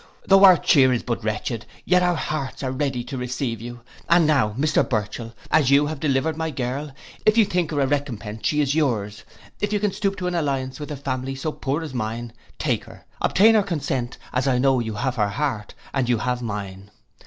Though our chear is but wretched, yet our hearts are ready to receive you. And now, Mr Burchell, as you have delivered my girl, if you think her a recompence she is yours, if you can stoop to an alliance with a family so poor as mine, take her, obtain her consent, as I know you have her heart, and you have mine.